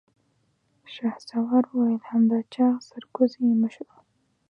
شهسوار وويل: همدا چاغ سرکوزی يې مشر و.